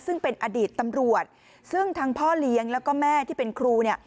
ซึ่งเป็นอดีตตำรวจซึ่งทั้งพ่อเลี้ยงแล้วก็แม่ที่เป็นครูเนี่ย